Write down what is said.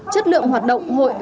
chất lượng hoạt động hội